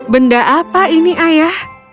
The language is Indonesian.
benda apa ini ayah